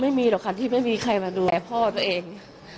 ไม่มีหรอกค่ะที่ไม่มีใครมาดูแลพ่อตัวเอง